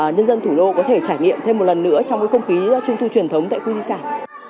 nhân dân thủ đô có thể trải nghiệm thêm một lần nữa trong cái không khí trung thu truyền thống tại khu di sản